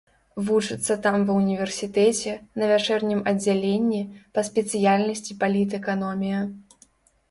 Вучыцца там ва універсітэце, на вячэрнім аддзяленні па спецыяльнасці палітэканомія.